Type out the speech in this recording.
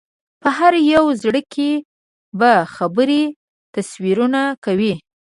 په هر یو زړه کې به خبرې تصویرونه کوي